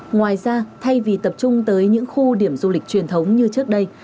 ngoài ra thay vì tập trung tới những khu điểm du lịch truyền thống như trước đây